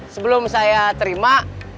sebelum saya terima